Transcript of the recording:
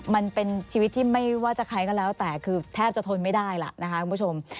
มันเป็นชีวิตที่ไม่ว่าจะใครก็แล้วแต่คือแทบจะทนไม่ได้ล่ะนะคะคุณผู้ชม